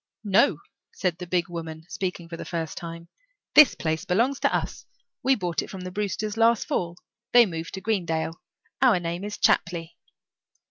"No," said the big woman, speaking for the first time, "this place belongs to us. We bought it from the Brewsters last fall. They moved to Greenvale. Our name is Chapley."